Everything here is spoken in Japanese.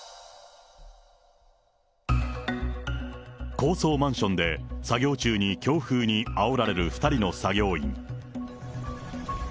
高層マンションで作業中に強風にあおられる２人の作業員。